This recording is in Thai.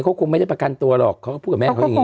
เขาคงไม่ได้ประกันตัวหรอกเขาก็พูดกับแม่เขาอย่างนี้